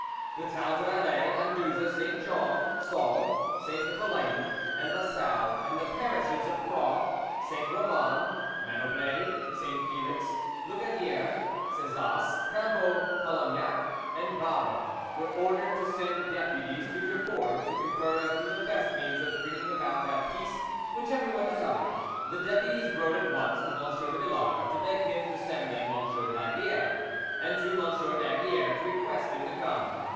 The towns of Alais, Anduze, Saint Jean, Sauve, Saint Hippolyte, and Lasalle, and the parishes of Cros, Saint Roman, Manoblet, Saint Felix, Lacadiere, Cesas, Cambo, Colognac, and Vabre were ordered to send deputies to Durfort to confer as to the best means of bringing about that peace which everyone desired. These deputies wrote at once to M. de Villars to beg him to send them M. d'Aygaliers, and to M. d'Aygaliers to request him to come.